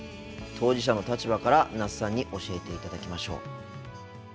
当事者の立場から那須さんに教えていただきましょう。